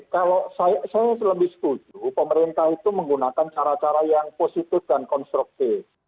kalau saya lebih setuju pemerintah itu menggunakan cara cara yang positif dan konstruktif